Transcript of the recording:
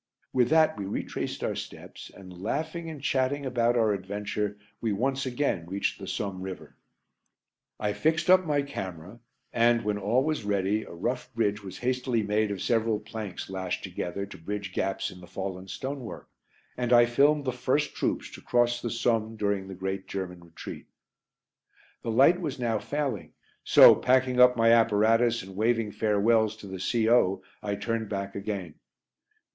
With that we retraced our steps, and laughing and chatting about our adventure, we once again reached the Somme river. I fixed up my camera, and, when all was ready, a rough bridge was hastily made of several planks lashed together to bridge gaps in the fallen stonework, and I filmed the first troops to cross the Somme during the great German retreat. The light was now failing, so, packing up my apparatus, and waving farewells to the C.O., I turned back again.